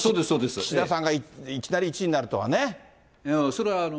岸田さんがいきなり１位になるとはね。